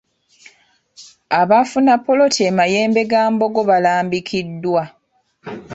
Abaafuna poloti e Mayembegambogo balambikiddwa.